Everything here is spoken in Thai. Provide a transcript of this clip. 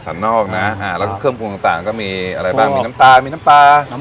นอกนะอ่าแล้วก็เครื่องปรุงต่างต่างก็มีอะไรบ้างมีน้ำตาลมีน้ำปลาน้ำ